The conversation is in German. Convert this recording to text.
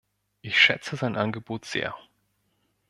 Ich schätze sein Angebot sehr.